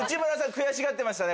悔しがってましたね。